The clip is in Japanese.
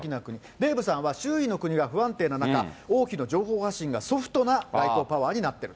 デーブさんは周囲の国が不安定な中、王妃の情報発信がソフトな外交パワーになっていると。